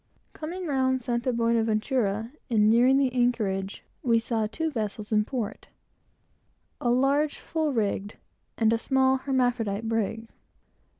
Coming round St. Buenaventura, and nearing the anchorage, we saw two vessels in port, a large full rigged, and a small hermaphrodite brig.